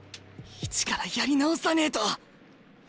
一からやり直さねえと！